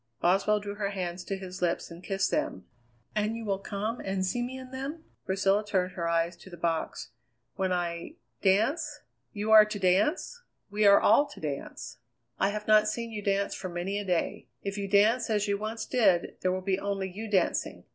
Boswell drew her hands to his lips and kissed them. "And you will come and see me in them" Priscilla turned her eyes to the box "when I dance?" "You are to dance?" "We are all to dance." "I have not seen you dance for many a day. If you dance as you once did there will be only you dancing.